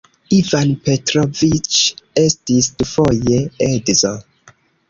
Ivan Petroviĉ estis dufoje edzo.